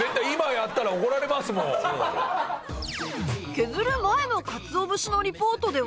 削る前の鰹節のリポートでは